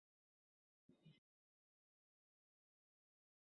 نَفْسٌ مُطِيعَةٌ إلَى رُشْدِهَا مُنْتَهِيَةٌ عَنْ غَيِّهَا